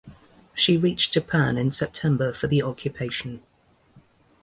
She reached Japan in September for the occupation.